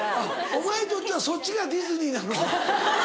お前にとってはそっちがディズニーなのか。